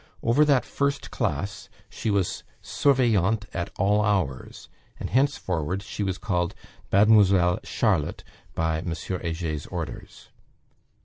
Over that First Class she was surveillante at all hours; and henceforward she was called Mademoiselle Charlotte by M. Heger's orders.